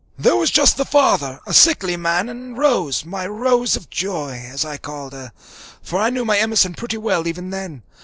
There was just the father, a sickly man, and Rose, my "Rose of joy," as I called her, for I knew my Emerson pretty well even then.